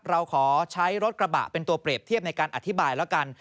เราขอใช้รถกระบะเป็นตัวเปรียบเทียบในการอธิบายแล้วกัน